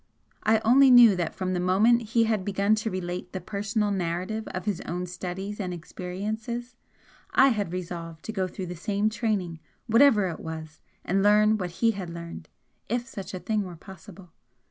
I only knew that from the moment he had begun to relate the personal narrative of his own studies and experiences, I had resolved to go through the same training whatever it was, and learn what he had learned, if such a thing were possible.